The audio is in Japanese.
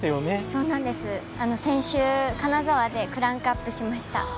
そうなんです、先週、金沢でクランクアップしました。